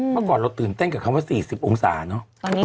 เมื่อก่อนเราตื่นเต้นกับคำว่า๔๐องศาเนอะ